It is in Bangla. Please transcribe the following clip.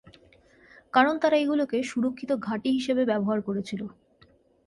কারণ, তারা এগুলোকে সুরক্ষিত ঘাঁটি হিসেবে ব্যবহার করেছিল।